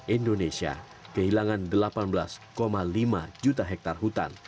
indonesia kehilangan delapan belas lima juta hektare hutan